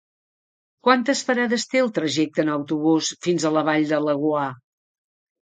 Quantes parades té el trajecte en autobús fins a la Vall de Laguar?